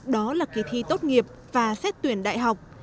đó là kỳ thi tốt nghiệp và xét tuyển đại học